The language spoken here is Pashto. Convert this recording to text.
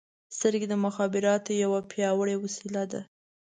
• سترګې د مخابراتو یوه پیاوړې وسیله ده.